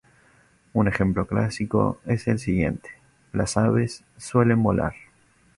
Un ejemplo clásico es el siguiente: "las aves suelen volar".